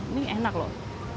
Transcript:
ini enak loh